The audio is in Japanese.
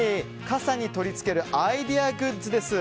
傘に取り付けるアイデアグッズです。